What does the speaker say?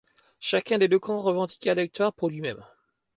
Chacun des deux camps revendiqua la victoire pour lui-même.